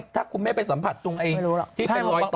ถ้าคุณไม่ไปสัมผัสตรงที่เป็นรอยต่อ